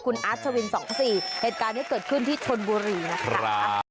คุณอาร์ดชวินสองข้อสี่เหตุการณ์ที่เกิดขึ้นที่ชนบุรีนะคะ